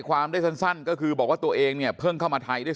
ความได้สั้นก็คือบอกว่าตัวเองเนี่ยเพิ่งเข้ามาไทยได้